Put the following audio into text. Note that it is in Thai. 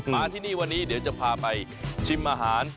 มาที่นี่วันนี้เดี๋ยวจะพาไปชิมอาหาร